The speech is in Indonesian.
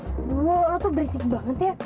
aduh lo tuh berisik banget ya